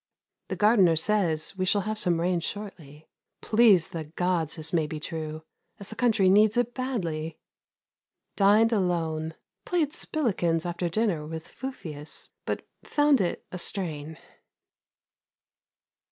The gardener says we shall have some rain shortly. Please the Gods this may be true, as the country needs it badly! Dined alone. Played spilikins after dinner with Fufius, but found it a strain.